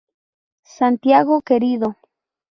Santiago querido!